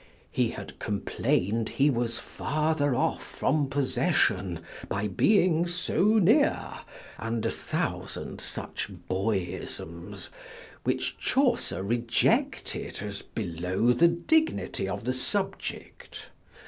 He had complain'd he was farther off from possession by being so near, and a thousand such boyisms, which Chaucer rejected as below the dignity of the subject.